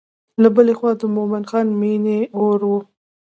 له بلې خوا د مومن خان مینې اور و.